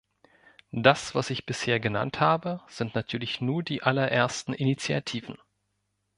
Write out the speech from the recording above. Das was ich bisher genannt habe, sind natürlich nur die allerersten Initiativen.